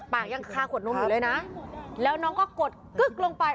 ปากยังคาขวดโน้มหนูเลยนะครับแล้วน้องก็กดกึ๊กลงไป